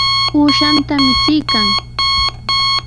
Uushanta michiykan.